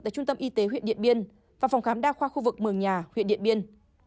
tại trung tâm y tế huyện điện biên và phòng khám đa khoa khu vực mường nhà huyện điện biên